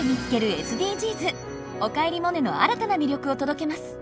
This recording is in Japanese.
「おかえりモネ」の新たな魅力を届けます。